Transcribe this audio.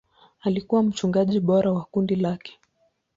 Alikuwa mchungaji bora wa kundi lake.